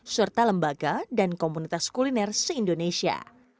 serta lembaga dan komunitas kuliner se indonesia